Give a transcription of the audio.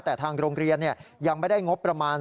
แต่ทางโรงเรียนยังไม่ได้งบประมาณ